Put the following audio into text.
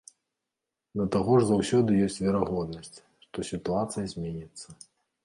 Да таго ж заўсёды ёсць верагоднасць, што сітуацыя зменіцца.